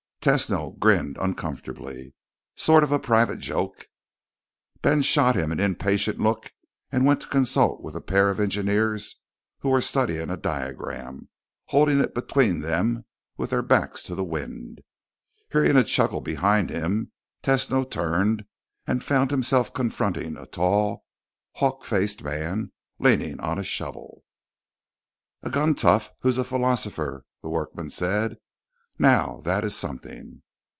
Tesno grinned uncomfortably. "Sort of a private joke." Ben shot him an impatient look and went to consult with a pair of engineers who were studying a diagram, holding it between them with their backs to the wind. Hearing a chuckle behind him, Tesno turned and found himself confronting a tall, hawk faced man leaning on a shovel. "A gun tough who's a philosopher," the workman said. "Now that is something."